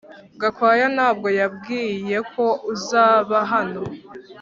Gakwaya ntabwo yambwiye ko uzaba hano